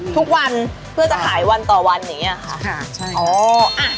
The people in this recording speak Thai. ทุกวันเพื่อจะขายวันต่อวันอย่างเงี้ยค่ะใช่ค่ะใช่ค่ะอ๋ออ่ะ